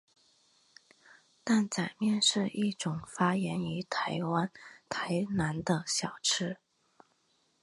担仔面是一种发源于台湾台南的小吃。